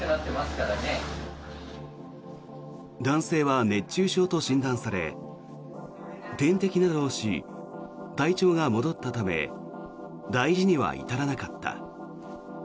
男性は熱中症と診断され点滴などをし体調が戻ったため大事には至らなかった。